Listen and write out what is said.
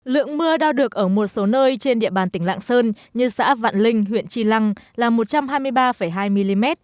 lượng mưa đau được ở một số nơi trên địa bàn tỉnh lạng sơn như xã vạn linh huyện tri lăng là một trăm hai mươi ba hai mm